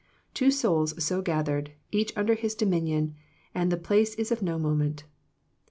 Two souls so gathered, each under His dominion — and the place is of no moment.